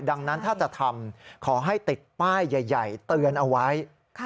ดังนั้นถ้าจะทำขอให้ติดป้ายใหญ่เตือนเอาไว้